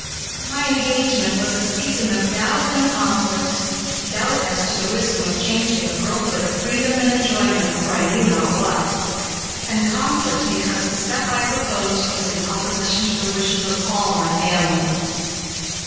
My engagement was a season of doubt and conflict doubt as to the wisdom of changing a girlhood of freedom and enjoyment for I knew not what, and conflict because the step I proposed was in opposition to the wishes of all my family.